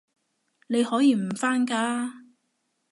你可以唔返㗎